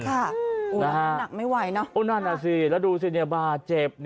หนักไม่ไหวเนอะโอ้นั่นน่ะสิแล้วดูสิเนี่ยบาดเจ็บ